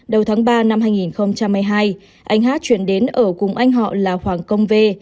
đầu tháng ba năm hai nghìn hai mươi hai anh hát chuyển đến ở cùng anh họ là hoàng công vê